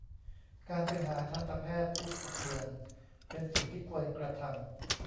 การไปหาทันตแพทย์ทุกหกเดือน เป็นสิ่งที่ควรกระทำ